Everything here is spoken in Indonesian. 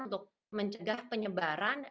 untuk mencegah penyebaran